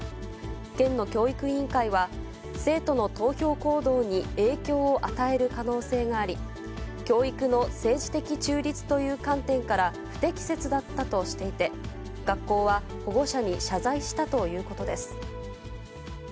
県の教育委員会は、生徒の投票行動に影響を与える可能性があり、教育の政治的中立という観点から不適切だったとしていて、学校は保護者に謝罪したということです。